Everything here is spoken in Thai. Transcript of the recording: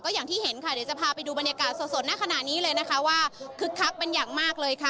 อย่างที่เห็นค่ะเดี๋ยวจะพาไปดูบรรยากาศสดในขณะนี้เลยนะคะว่าคึกคักเป็นอย่างมากเลยค่ะ